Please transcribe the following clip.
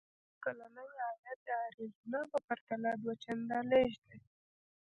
د کورنیو کلنی عاید د اریزونا په پرتله دوه چنده لږ دی.